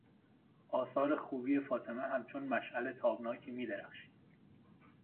آثار خوبی فاطمه همچون مشعل تابناکی میدرخشید.